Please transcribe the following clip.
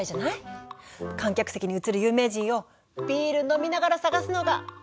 観客席に映る有名人をビール飲みながら探すのが好きなんだよねぇ！